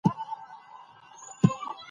جزئيت علاقه؛ جز ذکر سي او مراد ځني کُل يي.